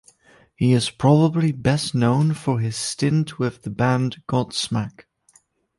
He is probably best known for his stint with the band Godsmack.